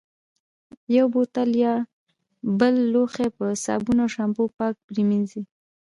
یو بوتل یا بل لوښی په صابون او شامپو پاک پرېمنځي.